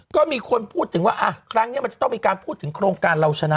ก็มีคนพูดถึงว่าครั้งนี้มันจะต้องมีการพูดถึงโครงการเราชนะ